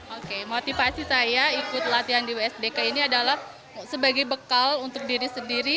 oke motivasi saya ikut latihan di wsdk ini adalah sebagai bekal untuk diri sendiri